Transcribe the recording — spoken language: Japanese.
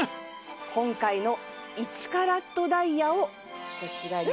今回の１カラットダイヤをこちらに。